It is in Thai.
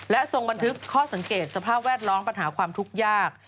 และทรงบันทึกข้อสังเกตสภาพแวดล้อมปัญหาความทุกข์ยาก